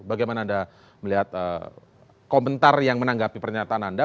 bagaimana anda melihat komentar yang menanggapi pernyataan anda